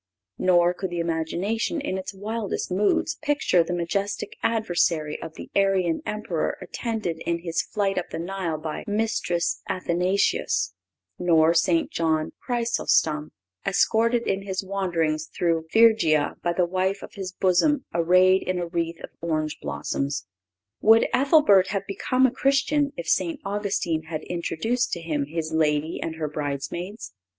Nor could the imagination, in its wildest moods, picture the majestic adversary of the Arian Emperor attended in his flight up the Nile by Mistress Athanasius, nor St. John Chrysostom escorted in his wanderings through Phrygia by the wife of his bosom arrayed in a wreath of orange blossoms. Would Ethelbert have become a Christian if St. Augustine had introduced to him his lady and her bridesmaids?"